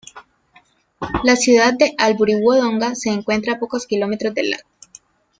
La ciudad de Albury-Wodonga se encuentra a pocos kilómetros del lago.